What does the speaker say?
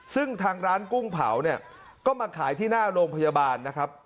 ซึ่งทางร้านกุ้งเผาเนี่ยก็มาขายที่หน้าโรงพยาบาลนะครับ